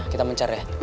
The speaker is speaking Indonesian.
kita mencar ya